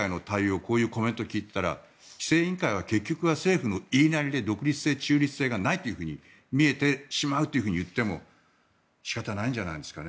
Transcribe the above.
こういうコメントを聞いていたら規制委員会は結局は政府の言いなりで独立性、中立性がないと見えてしまっても仕方ないんじゃないですかね。